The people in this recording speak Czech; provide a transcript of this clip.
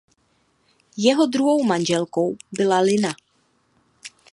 Jeho druhou manželkou byla Lina.